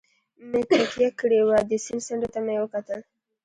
مې تکیه کړې وه، د سیند څنډې ته مې وکتل.